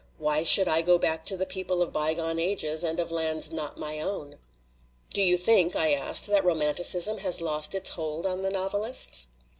Why should I go back to the people of bygone ages and of lands not my own?" "Do you think," I asked, "that romanticism has lost its hold on the novelists?"